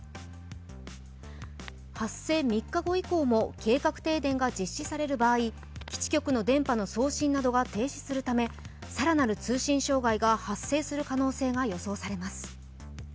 発生３日後以降も計画停電が実施される場合、基地局の電波の送信などが停止するため更なる通信障害が発生する可能性が予想されます。